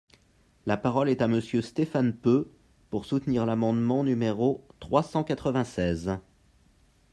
La parole est à Monsieur Stéphane Peu, pour soutenir l’amendement numéro trois cent quatre-vingt-seize.